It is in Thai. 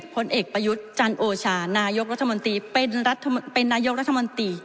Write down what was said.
ผลเอกประยุทธ์จันโอชานายกรัฐมนตรีเป็นนายกรัฐมนตรี